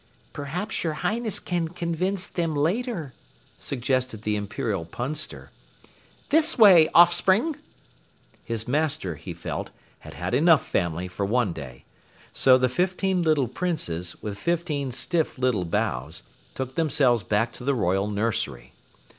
"Perhaps your Highness can convince them later," suggested the Imperial Punster. "This way, offspring." His Master, he felt, had had enough family for one day. So the fifteen little Princes, with fifteen stiff little bows, took themselves back to the royal nursery.